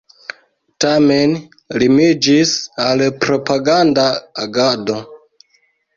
Tamen limiĝis al propaganda agado.